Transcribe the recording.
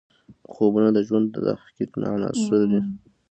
خوبونه د ژوند د تحقق عناصر دي.